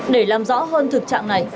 để làm rõ hơn thực trạng này